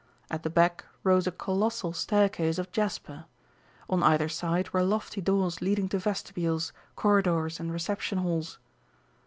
At the back rose a colossal staircase of jasper. On either side were lofty doors leading to vestibules, corridors, and reception halls.